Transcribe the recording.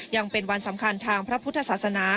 ยังเป็นวันสำคัญทางพระพุทธศาสนา